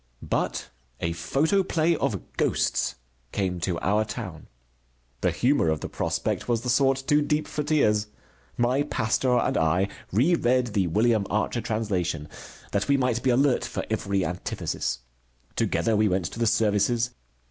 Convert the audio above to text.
But a photoplay of Ghosts came to our town. The humor of the prospect was the sort too deep for tears. My pastor and I reread the William Archer translation that we might be alert for every antithesis. Together we went to the services.